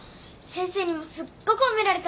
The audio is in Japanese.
先生にもすごく褒められたんだ。